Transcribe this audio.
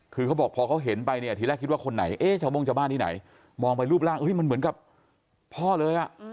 คือเขาบอกพอเขาเห็นไปเนี่ยทีแรกคิดว่าคนไหนเอ๊ะชาวโม่งชาวบ้านที่ไหนมองไปรูปร่างมันเหมือนกับพ่อเลย